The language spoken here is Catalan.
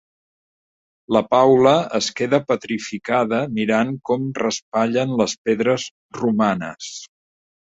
La Paula es queda petrificada mirant com raspallen les pedres romanes.